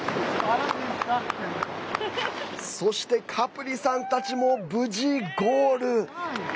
そして、カプリさんたちも無事、ゴール。